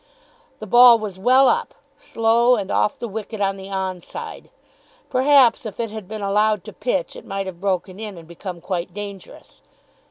The ball was well up, slow, and off the wicket on the on side. Perhaps if it had been allowed to pitch, it might have broken in and become quite dangerous.